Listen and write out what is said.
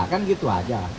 kan gitu aja